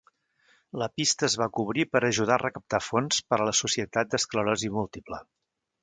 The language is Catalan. La pista es va cobrir per ajudar a recaptar fons per a la Societat d'Esclerosi Múltiple.